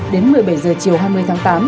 đến một mươi bảy h chiều hai mươi tháng tám